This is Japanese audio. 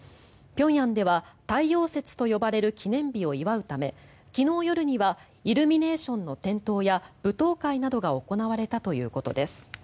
平壌では太陽節と呼ばれる記念日を祝うため昨日夜にはイルミネーションの点灯や舞踏会などが行われたということです。